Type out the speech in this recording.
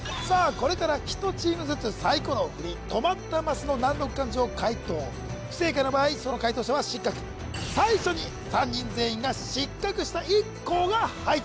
これから１チームずつサイコロを振り止まったマスの難読漢字を解答不正解の場合その解答者は失格ちょっと七海これおもしろいよね